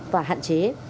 và hạn chế